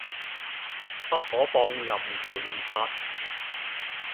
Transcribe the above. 不可放任胡亂刷